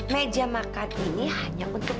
meja makan ini hanya untuk